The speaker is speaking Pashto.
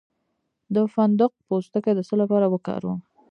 د فندق پوستکی د څه لپاره وکاروم؟